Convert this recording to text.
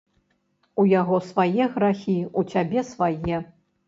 У яго свае грахі, у цябе свае.